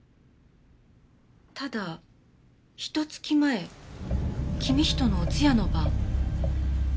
ただひと月前公仁のお通夜の晩。